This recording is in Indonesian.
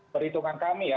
perhitungan kami ya